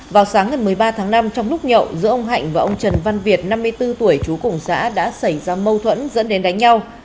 vào sáng ngày một mươi ba tháng năm trong lúc nhậu giữa ông hạnh và ông trần văn việt năm mươi bốn tuổi chú cùng xã đã xảy ra mâu thuẫn dẫn đến đánh nhau